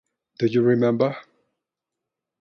Do You Remember?